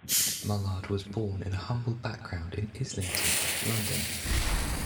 Mullard was born in a humble background in Islington, London.